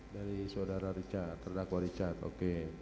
dari saudara richard terdakwa richard oke